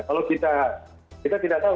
kita tidak tahu